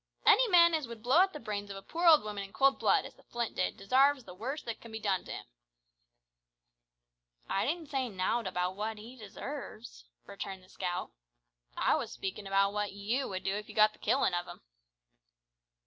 "Any man as would blow the brains out of a poor old woman in cold blood, as the Flint did, desarves the worst that can be done to him." "I didn't say nowt about what he desarves," returned the scout; "I was speakin' about what you would do if you'd got the killin' of him."